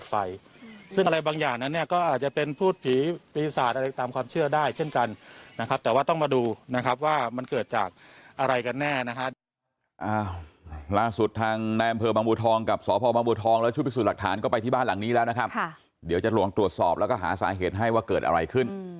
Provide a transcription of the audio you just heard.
ส่งไปซึ่งอะไรบางอย่างก็อาจจะเป็นพูดผีพริสาทอะไรตามความเชื่อได้ก็ได้เช่นกันนะครับแต่ว่าต้องมาดูนะครับว่ามันเกิดจากอะไรกันแน่นะครับ